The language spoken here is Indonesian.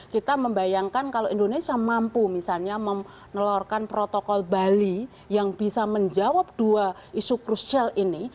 kita membayangkan kalau indonesia mampu misalnya menelurkan protokol bali yang bisa menjawab dua isu krusial ini